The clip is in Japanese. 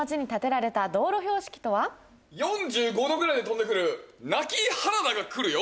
４５度ぐらいで飛んで来る泣原田が来るよ！